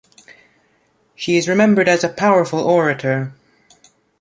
She is remembered as a powerful orator.